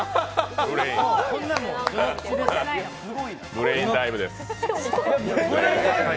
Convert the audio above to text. ブレインダイブです。